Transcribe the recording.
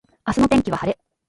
明日の天気は晴れ。